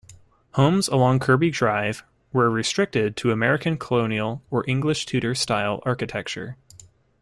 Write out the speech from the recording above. Homes along Kirby Drive were restricted to American Colonial or English Tudor style architecture.